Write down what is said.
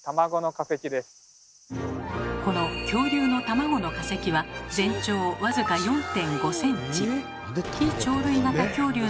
この恐竜の卵の化石は全長僅か４．５ｃｍ。